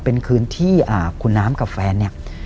เป็นคืนที่คุณน้ำกับแฟนเนี่ย